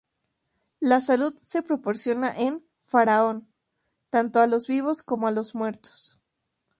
La salud se proporciona en "Faraón" tanto a los vivos como a los muertos.